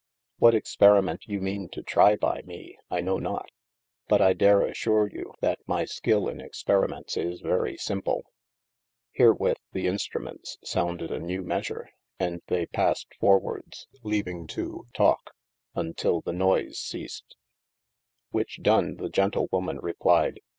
What experiment you meane to trie by mee, I knowe not, but I dare assure you, that my skill in experiments is very simple. Herewith the Instruments sounded a new Measure, and they passed forthwards, leaving to talke, untill the noise ceassed : whiche done, the Gentlewoman replied.